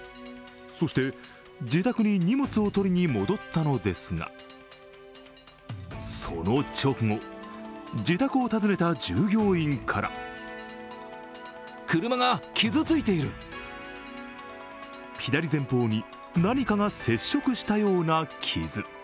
そして、自宅に荷物を取りに戻ったのですが、その直後、自宅を訪ねた従業員から左前方に何かが接触したような傷。